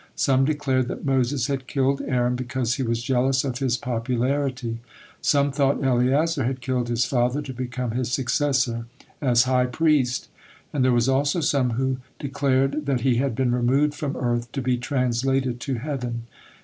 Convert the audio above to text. Some declared that Moses had killed Aaron because he was jealous of his popularity; some thought Eleazar had killed his father to become his successor as high priest; and there was also some who declared that he had been removed from earth to be translated to heaven.